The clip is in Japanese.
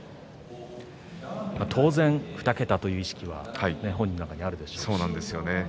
当然２桁という意識は本人の中にあるでしょうね。